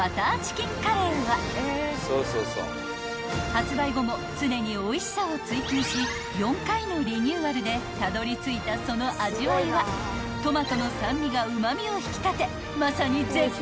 ［発売後も常においしさを追求し４回のリニューアルでたどりついたその味わいはトマトの酸味がうま味を引き立てまさに絶品］